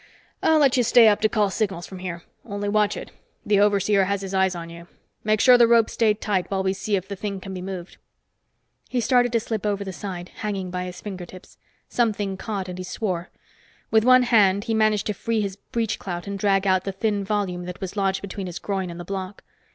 "I'll let you stay up to call signals from here. Only watch it. That overseer has his eyes on you. Make sure the ropes stay tight while we see if the thing can be moved." He started to slip over the side, hanging by his fingertips. Something caught, and he swore. With one hand, he managed to free his breechclout and drag out the thin volume that was lodged between his groin and the block.